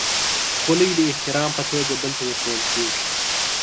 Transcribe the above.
خولۍ د احترام په توګه بل ته ورکول کېږي.